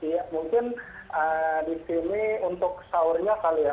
ya mungkin di sini untuk sahurnya kali ya